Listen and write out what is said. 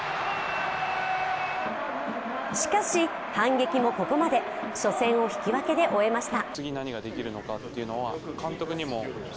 しかし反撃もここまで、初戦を引き分けで終えました。